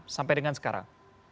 sampai dengan sekarang